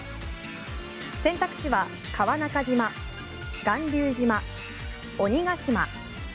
選択肢は川中島、巌流島、鬼ヶ島。